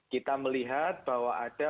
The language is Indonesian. kita melihat bahwa ada